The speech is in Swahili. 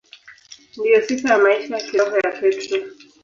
Ndiyo sifa ya maisha ya kiroho ya Petro.